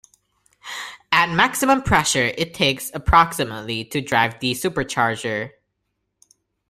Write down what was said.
At maximum pressure, it takes approximately to drive the supercharger.